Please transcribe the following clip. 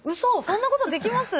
そんなことできます？